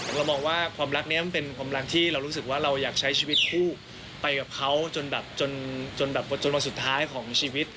เรามองว่าความรักนี้มันเป็นความรักที่เรารู้สึกว่าเราอยากใช้ชีวิตคู่ไปกับเขาจนแบบจนแบบจนวันสุดท้ายของชีวิต